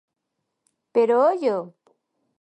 Pero ollo!